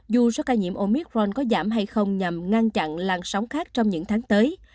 dù số ca nhiễm omicron có giảm hay không nhằm ngăn chặn làn sóng khác trong những tháng tới